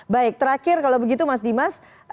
baik terakhir kalau begitu mas dimas